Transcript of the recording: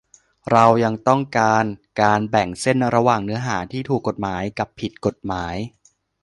เรายังต้องการการแบ่งเส้นระหว่างเนื้อหาที่ถูกกฎหมาย กับผิดกฎหมาย